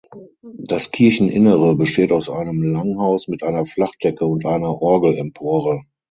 Das Kircheninnere besteht aus einem Langhaus mit einer Flachdecke und einer Orgelempore.